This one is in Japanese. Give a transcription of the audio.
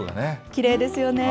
きれいですよね。